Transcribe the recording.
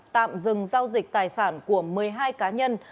tạm dừng giao dịch tài sản của một mươi hai cá nhân